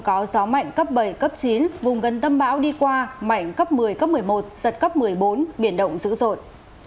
có gió mạnh cấp bảy cấp chín vùng gần tâm bão đi qua mạnh cấp một mươi cấp một mươi một giật cấp một mươi bốn biển động dữ dội